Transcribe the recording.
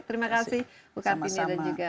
terima kasih bukatinya dan juga